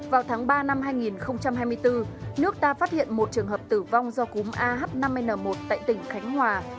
vào tháng ba năm hai nghìn hai mươi bốn nước ta phát hiện một trường hợp tử vong do cúng a h năm n một tại tỉnh khánh hòa